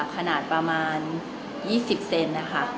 ขนาดประมาณ๒๐เซนนะคะ